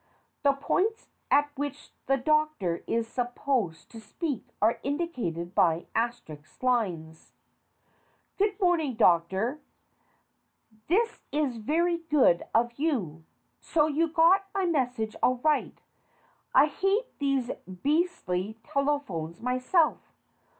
(The points at which the DOCTOR is supposed to speak are indicated by asterisk lines.) Good morning, Doctor. This is very good of you. So you got my message all right I hate these beastly telephones myself.